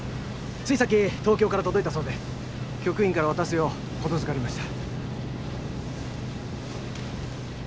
ついさっき東京から届いたそうで局員から渡すよう言づかりました。